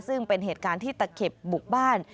ซึ่งเป็นเหตุการณ์ที่ตะเข็บบุกบ้าน